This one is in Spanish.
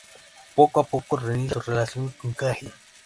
Poco a poco reinicia su relación con Kaji.